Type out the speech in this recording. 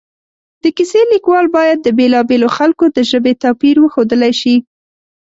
د کیسې لیکوال باید د بېلا بېلو خلکو د ژبې توپیر وښودلی شي